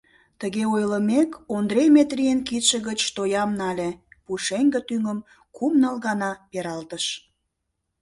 Тыге ойлымек, Ондре Метрийын кидше гыч тоям нале, пушеҥге тӱҥым кум-ныл гана пералтыш.